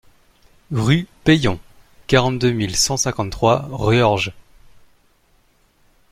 Rue Peillon, quarante-deux mille cent cinquante-trois Riorges